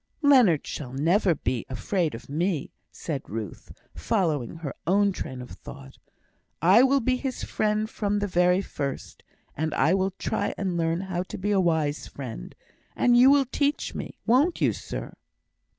"Leonard shall never be afraid of me," said Ruth, following her own train of thought. "I will be his friend from the very first; and I will try and learn how to be a wise friend, and you will teach me, won't you, sir?"